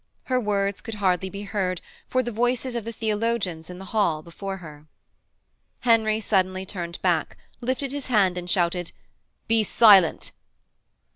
Her words could hardly be heard for the voices of the theologians in the hall before her. Henry suddenly turned back, lifted his hand, and shouted: 'Be silent!'